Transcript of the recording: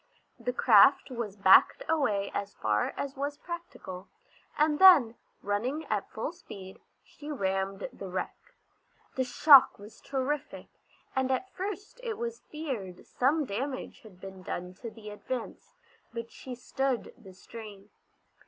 The craft was backed away as far as was practical, and then, running at full speed, she rammed the wreck. The shock was terrific, and at first it was feared some damage had been done to the Advance, but she stood the strain.